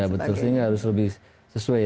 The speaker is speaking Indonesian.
betul sehingga harus lebih sesuai